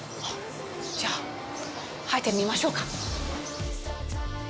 じゃあ、入ってみましょうか。